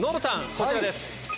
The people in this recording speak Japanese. こちらです。